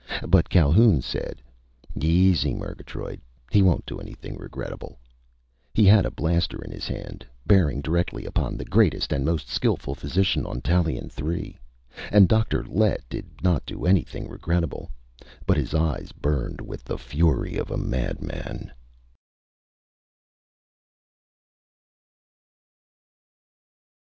But Calhoun said: "Easy, Murgatroyd! He won't do anything regrettable!" He had a blaster in his hand, bearing directly upon the greatest and most skillful physician on Tallien Three. And Dr. Lett did not do anything regrettable. But his eyes burned with the fury of a madman.